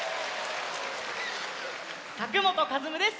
佐久本和夢です。